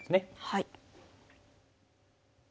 はい。